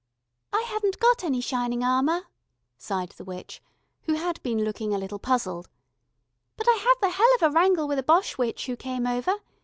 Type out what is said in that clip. "I hadn't got any shining armour," sighed the witch, who had been looking a little puzzled. "But I had the hell of a wrangle with a Boche witch who came over.